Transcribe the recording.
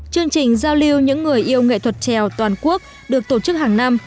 chương trình giao lưu những người yêu nghệ thuật trèo toàn quốc được tổ chức hàng năm